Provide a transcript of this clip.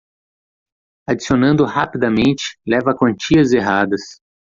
Adicionando rapidamente leva a quantias erradas.